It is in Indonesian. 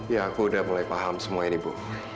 ya aku udah mulai paham semuanya ibu